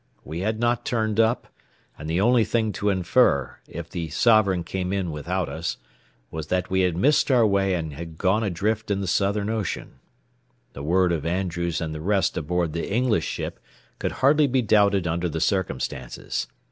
We had not turned up, and the only thing to infer, if the Sovereign came in without us, was that we had missed our way and had gone adrift in the southern ocean. The word of Andrews and the rest aboard the English ship could hardly be doubted under the circumstances.